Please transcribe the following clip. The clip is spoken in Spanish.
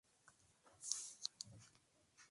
Aunque es notable la gran influencia de Lady Gaga